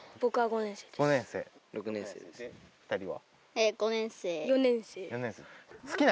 ２人は？